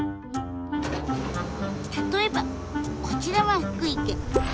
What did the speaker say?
例えばこちらは福井県。